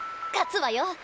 勝つわよ